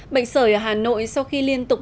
bệnh sởi ở hà nội sau khi liên tục